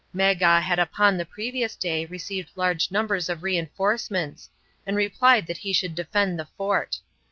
Magaw had upon the previous day received large numbers of re enforcements, and replied that he should defend the fort.